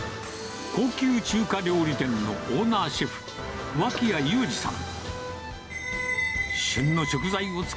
高級中華料理店のオーナーシェフ、脇屋友詞さん。